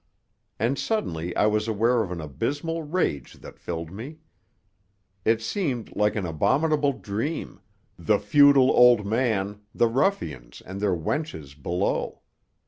And suddenly I was aware of an abysmal rage that filled me. It seemed like an abominable dream the futile old man, the ruffians and their wenches below.